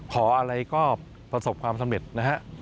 ขออะไรก็ประสบความสำเร็จนะฮะ